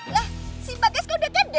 lah si bagas kok udah gede